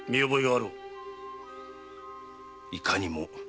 いかにも。